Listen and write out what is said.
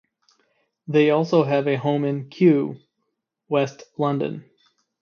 They also have a home in Kew, West London.